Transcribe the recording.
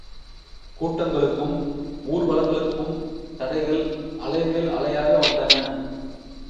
கூட்டங்களுக்கும் ஊர்வலங்களுக்கும் தடைகள், அலைமேல் அலையாக வந்தன.